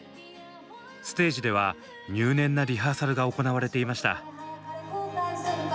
ステージでは入念なリハーサルが行われていました。